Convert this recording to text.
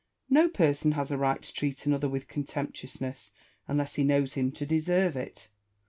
No person has a right to treat another with contemptuousness unless he knows him to deserve it.